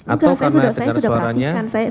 enggak saya sudah perhatikan